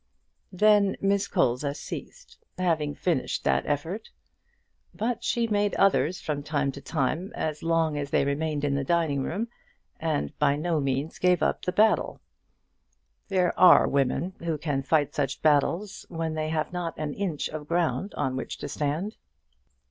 Then Miss Colza ceased, having finished that effort. But she made others from time to time as long as they remained in the dining room, and by no means gave up the battle. There are women who can fight such battles when they have not an inch of ground on which to stand.